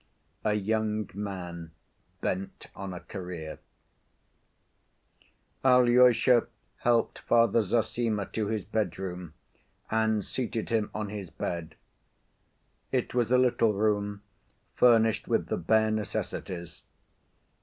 A Young Man Bent On A Career Alyosha helped Father Zossima to his bedroom and seated him on his bed. It was a little room furnished with the bare necessities.